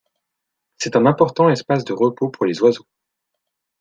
C'est un important espace de repos pour les oiseaux.